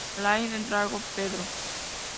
Laín Entralgo, Pedro.